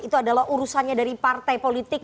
itu adalah urusannya dari partai politik